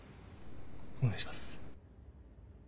お願いします。